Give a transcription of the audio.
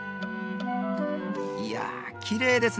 いやきれいですね。